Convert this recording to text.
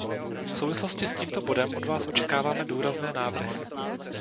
V souvislosti s tímto bodem od vás očekáváme důrazné návrhy.